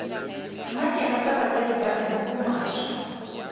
Nna ke rata batsadi ba me mo go maswe.